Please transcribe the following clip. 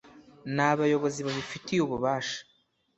n abayobozi babifitiye ububasha